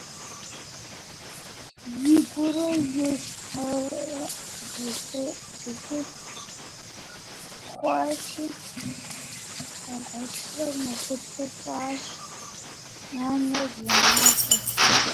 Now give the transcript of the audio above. Игурэ и щхьэрэ зэтелъ хъуащи, щхьэгъусэ насыпыфӏэщ, анэ гумащӏэщ…